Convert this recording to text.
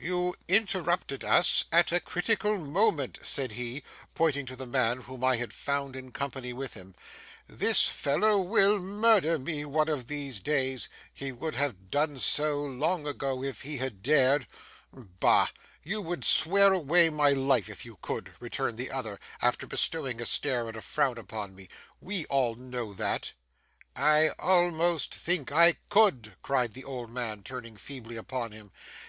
'You interrupted us at a critical moment,' said he, pointing to the man whom I had found in company with him; 'this fellow will murder me one of these days. He would have done so, long ago, if he had dared.' 'Bah! You would swear away my life if you could,' returned the other, after bestowing a stare and a frown on me; 'we all know that!' 'I almost think I could,' cried the old man, turning feebly upon him.